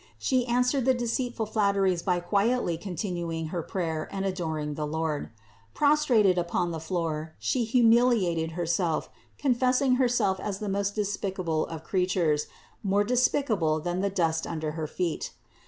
She answered the deceitful flatteries by quietly continuing her prayer and adoring the Lord. Prostrated upon the floor She humiliated Herself, confessing Herself as the most despicable of creatures, more despicable than the dust under her feet.